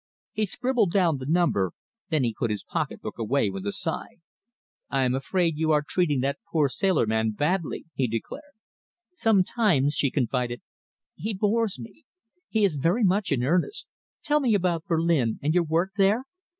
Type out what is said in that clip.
He scribbled down the number. Then he put his pocket book away with a sigh. "I'm afraid you are treating that poor sailor man badly," he declared. "Sometimes," she confided, "he bores me. He is so very much in earnest. Tell me about Berlin and your work there?"